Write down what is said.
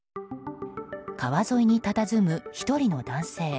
川沿いにたたずむ１人の男性。